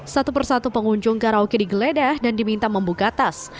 satu persatu pengunjung karaoke digeledah dan diminta membuka tas